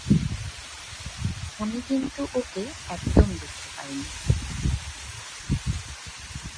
আমি কিন্তু ওকে একদম দেখতে পারি না।